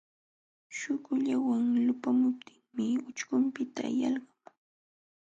Śhukulluway lupamuptinmi ucćhkunpiqta yalqamun.